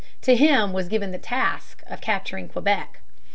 To him was given the task of capturing Quebec.